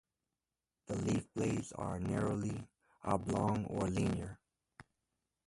The leaf blades are narrowly oblong or linear.